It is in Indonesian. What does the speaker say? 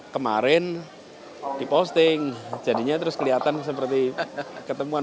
kemarin diposting jadinya terus kelihatan seperti ketemuan